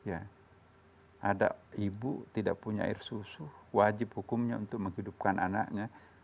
ada ibu tidak punya air susu wajib hukumnya untuk menghidupkan anaknya